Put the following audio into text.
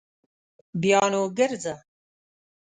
بیا نو ګرځه